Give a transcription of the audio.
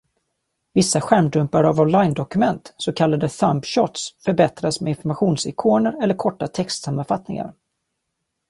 Vissa skärmdumpar av onlinedokument sk. thumbshots förbättras med informationsikoner eller korta textsammanfattningar.